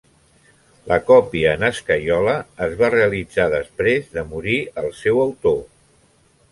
La còpia en escaiola es va realitzar després de morir el seu autor.